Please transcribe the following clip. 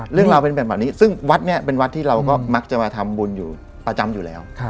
เรื่องราวเป็นแบบนี้ซึ่งวัดนี้เป็นวัดที่เราก็มักจะมาทำบุญอยู่ประจำอยู่แล้ว